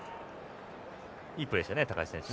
いいプレーでしたね高橋選手。